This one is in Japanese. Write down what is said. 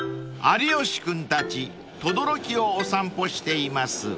［有吉君たち等々力をお散歩しています］